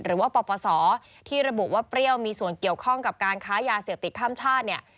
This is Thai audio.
หรือว่าปปศที่ระบุว่าเปรี้ยวมีส่วนเกี่ยวข้องกับการค้ายาเสพติดข้ามชาติเนี่ย